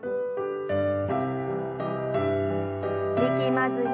力まずに。